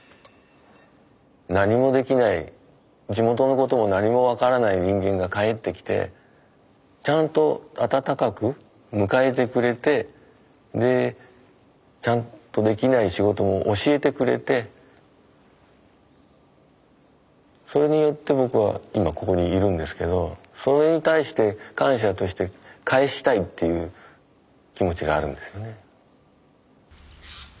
何もできない地元のことも何も分からない人間が帰ってきてちゃんと温かく迎えてくれてでちゃんとできない仕事も教えてくれてそれによって僕は今ここにいるんですけどそれに対して感謝として返したいっていう気持ちがあるんですね。